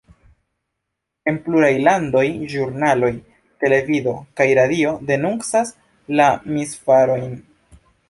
En pluraj landoj ĵurnaloj, televido kaj radio denuncas la misfarojn.